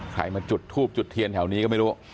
ใครมาจุดทูบจุดเทียนแถวนี้ก็ไม่รู้